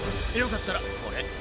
よかったらこれ。